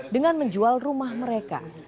dengan menjual rumah mereka